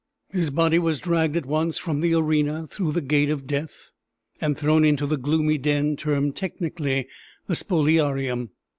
His body was dragged at once from the arena through the gate of death, and thrown into the gloomy den termed technically the "spoliarium."